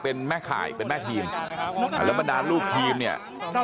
เป็นแม่ข่ายเป็นแม่ทีมอัฬมดาลลูกทีมเนี่ย